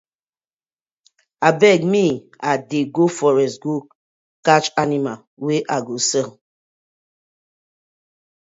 Abeg mi I dey go forest go catch animal wey I go sell.